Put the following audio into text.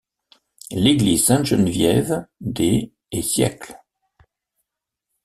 L'église Sainte-Geneviève des et siècles.